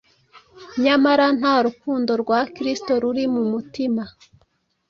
nyamara nta rukundo rwa kristo ruri mu mutima,